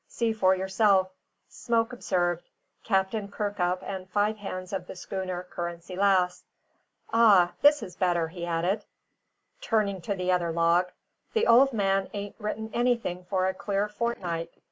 See for yourself: 'Smoke observed. Captain Kirkup and five hands of the schooner Currency Lass.' Ah! this is better," he added, turning to the other log. "The old man ain't written anything for a clear fortnight.